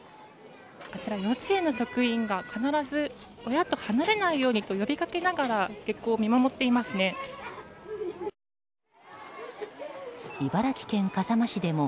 幼稚園の職員が必ず親と離れないようにと呼びかけながら下校を見守っていますね。